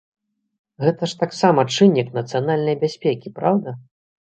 Гэта ж таксама чыннік нацыянальнай бяспекі, праўда?